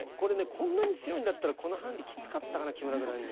こんなに強いんだったらこのハンディきつかったかな木村九段に。